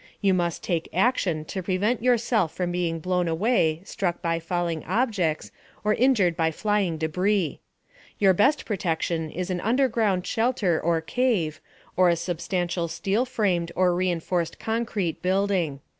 You must take action to protect yourself from being blown away, struck by falling objects, or injured by flying debris. Your best protection is an underground shelter or cave, or a substantial steel framed or reinforced concrete building.